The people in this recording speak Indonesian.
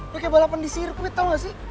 oke balapan di sirkuit tau gak sih